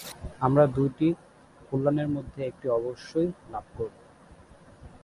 আমরা দুইটি কল্যাণের মধ্যে একটি অবশ্যই লাভ করবো।